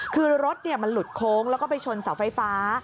คือรถมันหลุดโค้งแล้วก็ไปชนเสาไฟฟ้า